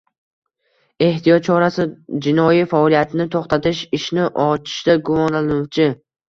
Ehtiyot chorasi jinoiy faoliyatni to‘xtatish, ishni ochishda gumonlanuvchi